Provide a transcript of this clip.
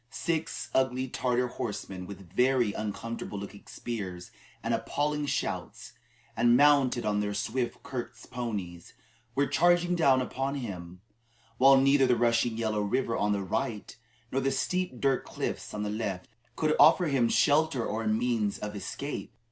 Six ugly Tartar horsemen with very uncomfortable looking spears and appalling shouts, and mounted on their swift Kirghiz ponies, were charging down upon him, while neither the rushing Yellow River on the right hand, nor the steep dirt cliffs on the left, could offer him shelter or means of escape.